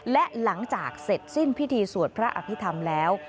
และหลังจากเสร็จสิ้นพิธีสวดพระอภิษฐรรมแล้ว